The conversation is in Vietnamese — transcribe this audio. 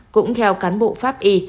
cũng theo cán bộ pháp y